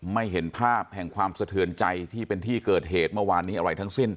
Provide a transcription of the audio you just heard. ไม่เห็นภาพแห่งความสะเทือนใจที่เป็นที่เกิดเหตุเมื่อวานนี้อะไรทั้งสิ้น